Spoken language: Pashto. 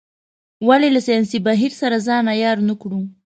ولې له ساینسي بهیر سره ځان عیار نه کړو.